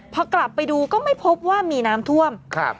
พอกลับไปดูก็ไม่พบว่ามีน้ำท่วมครับ